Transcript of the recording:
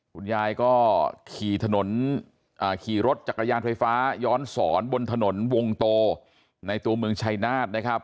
คุณยายก็ขี่ถนนขี่รถจักรยานไฟฟ้าย้อนสอนบนถนนวงโตในตัวเมืองชายนาฏนะครับ